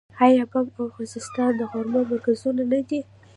آیا بم او خوزستان د خرما مرکزونه نه دي؟